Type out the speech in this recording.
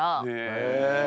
へえ。